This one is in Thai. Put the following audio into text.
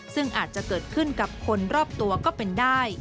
ซึ่งอาจจะเกิดขึ้นกับคนรอบตัวก็เป็นได้